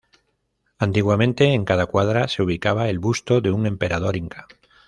Antiguamente en cada cuadra se ubicaba el busto de un emperador inca.